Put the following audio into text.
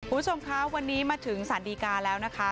คุณผู้ชมคะวันนี้มาถึงสารดีกาแล้วนะคะ